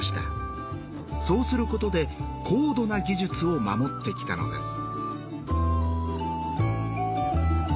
そうすることで高度な技術を守ってきたのです。